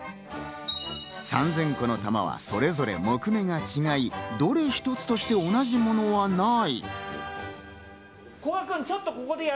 ３０００個の玉はそれぞれ木目が違い、どれ一つとして同じものはない。